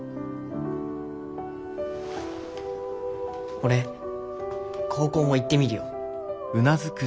俺高校も行ってみるよ。